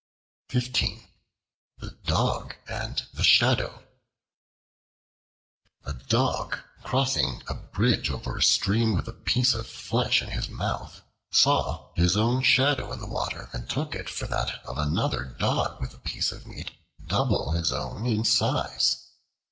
The Dog and the Shadow A DOG, crossing a bridge over a stream with a piece of flesh in his mouth, saw his own shadow in the water and took it for that of another Dog, with a piece of meat double his own in size.